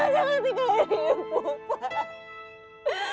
jangan tinggalkan ibu pak